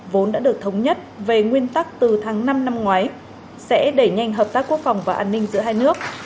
vốn đã được thống nhất về nguyên tắc từ tháng năm năm ngoái sẽ đẩy nhanh hợp tác quốc phòng và an ninh giữa hai nước